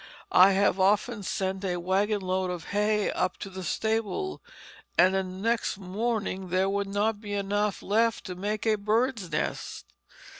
I have often sent a wagon load of hay up to the stable, and the next morning there would not be enough left to make a bird's nest.